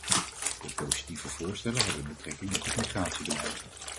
De positieve voorstellen hebben betrekking op het migratiebeleid.